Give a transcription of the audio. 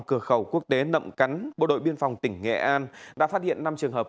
cửa khẩu quốc tế nậm cắn bộ đội biên phòng tỉnh nghệ an đã phát hiện năm trường hợp